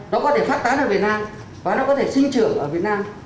nó có thể phát tán ở việt nam và nó có thể sinh trưởng ở việt nam